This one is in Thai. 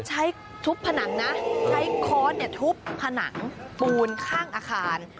ใช้ทุบผนังนะใช้ค้อนทุบผนังปูนข้างอาคาร